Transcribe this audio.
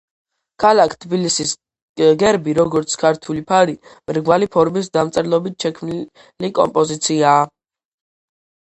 ქალაქ თბილისის გერბი, როგორც ქართული ფარი, მრგვალი ფორმის, დამწერლობით შექმნილი კომპოზიციაა.